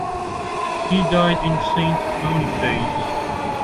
He died in Saint Boniface.